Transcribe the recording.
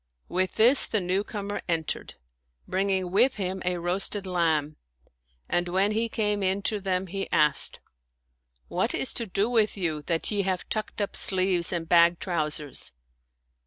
With this the new comer entered, bringing with him a roasted lamb; and when he came in to them, he asked, •* What is to do with you, that ye have tucked up sleeves and bag trousers?